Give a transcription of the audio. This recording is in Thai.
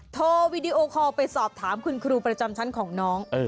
วีดีโอคอลไปสอบถามคุณครูประจำชั้นของน้อง